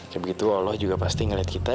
ya begitu allah juga pasti ngeliat kita